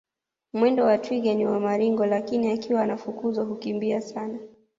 Mwendo wa twiga ni wa maringo lakini akiwa anafukuzwa hukimbia sana